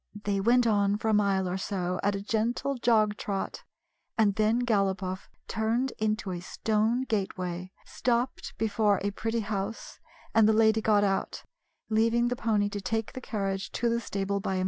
They went on for a mile or so at a gentle jog trot, and then Galopoff turned into a stone gateway, stopped before a pretty house, and the lady got out, leaving the pony to take the carriage to the stable by himself.